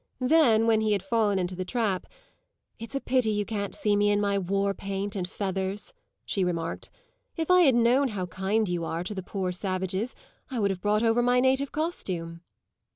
Then when he had fallen into the trap, "It's a pity you can't see me in my war paint and feathers," she remarked; "if I had known how kind you are to the poor savages I would have brought over my native costume!"